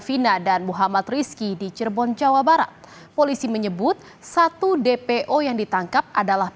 vina dan muhammad rizky di cirebon jawa barat polisi menyebut satu dpo yang ditangkap adalah